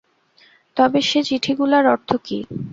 তবে সে চিঠিগুলার অর্থ কী।